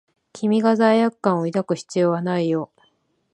君が罪悪感を抱く必要はないよ。